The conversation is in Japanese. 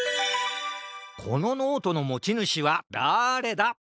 このノートのもちぬしはだれだ？